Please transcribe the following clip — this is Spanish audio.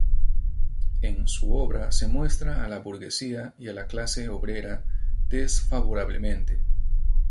En su obra se muestra a la burguesía y a la clase obrera desfavorablemente.